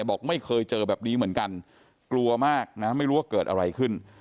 บอกไม่เคยเจอแบบนี้เหมือนกันกลัวมากนะไม่รู้ว่าเกิดอะไรขึ้น